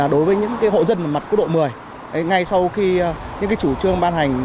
đối với những hộ dân mặt quốc độ một mươi ngay sau khi những chủ trương ban hành